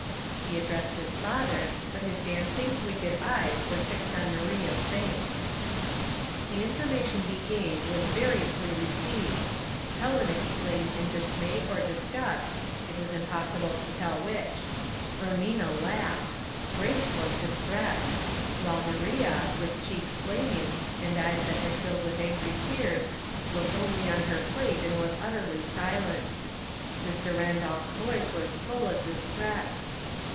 He addressed his father, but his dancing, wicked eyes were fixed on Maria's face. The information he gave was variously re ceived. Helen exclaimed in dismay or disgust, it was impossible to tell which; Ermina laughed; Grace looked distressed; while Maria, with cheeks flaming, and eyes that filled with angry tears, looked only on her plate, and was utterly silent. Mr. Randolph's voice was full of distress.